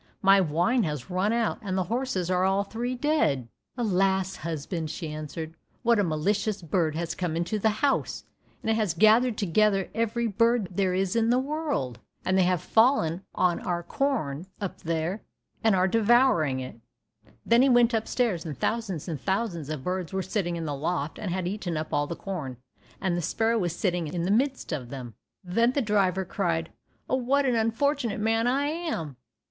My wine has run out, and the horses are all three dead!" "Alas, husband," she answered, "what a malicious bird has come into the house! It has gathered together every bird there is in the world, and they have fallen on our corn up there, and are devouring it." Then he went upstairs, and thousands and thousands of birds were sitting in the loft and had eaten up all the corn, and the sparrow was sitting in the midst of them. Then the driver cried, "Oh, what an unfortunate man I am?"